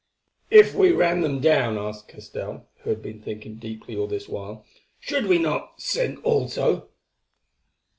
"If we ran them down," asked Castell, who had been thinking deeply all this while, "should we not sink also?"